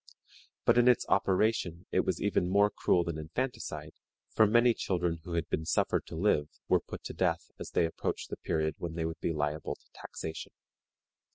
But in its operation it was even more cruel than infanticide, for many children who had been suffered to live were put to death as they approached the period when they would be liable to taxation.